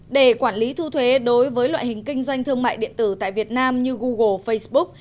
để quản lý thu thuế đối với loại hình kinh doanh thương mại điện tử tại việt nam như google facebook